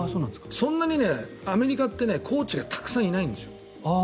そんなにアメリカってコーチがたくさんいないんです。